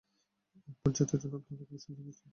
এক ভোট জেতার জন্য আপনি আমাকে বিসর্জন দিচ্ছেন?